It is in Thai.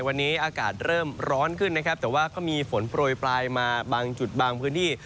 วันนี้อากาศเริ่มร้อนขึ้นนะครับแต่ว่าก็มีฝนโปรยปลายมาบางจุดบางพื้นที่